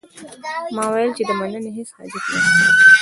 ما وویل چې د مننې هیڅ حاجت نه شته.